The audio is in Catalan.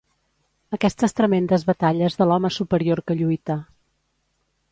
Aquestes tremendes batalles de l'home superior que lluita